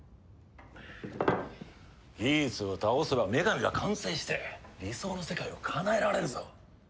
ギーツを倒せば女神が完成して理想の世界をかなえられるぞ。